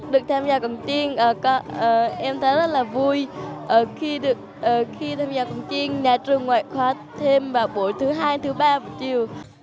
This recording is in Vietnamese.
được tham gia cổng chiêng em thấy rất là vui khi tham gia cổng chiêng nhà trường ngoại khóa thêm vào buổi thứ hai thứ ba chiều